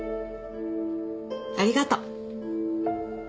ありがと。